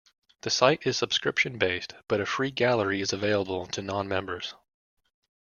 The site is subscription-based, but a free gallery is available to non-members.